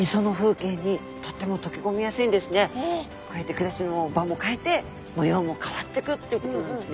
こうやって暮らしの場も変えて模様も変わってくっていうことなんですね。